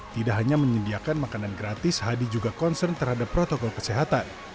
tidak hanya menyediakan makanan gratis hadi juga concern terhadap protokol kesehatan